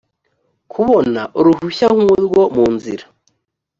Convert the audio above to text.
kubona uruhushya nk urwo mu nzira